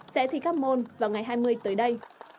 sẽ thi các môn vào ngày hai mươi tới đây